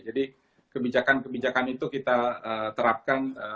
jadi kebijakan kebijakan itu kita terapkan